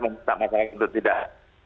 masyarakat itu tidak